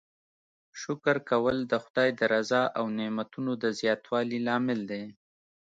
شکر کول د خدای د رضا او نعمتونو د زیاتوالي لامل دی.